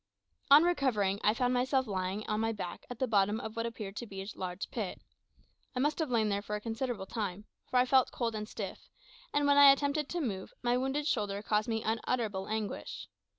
On recovering, I found myself lying on my back at the bottom of what appeared to be a large pit. I must have lain there for a considerable time, for I felt cold and stiff; and when I attempted to move, my wounded shoulder caused me unutterable anguish.